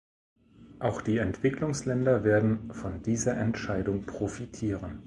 Auch die Entwicklungsländer werden von dieser Entscheidung profitieren.